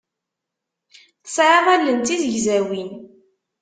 Tesɛiḍ allen d tizegzawin.